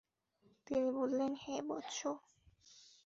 তিনি বললেন, হে বৎস!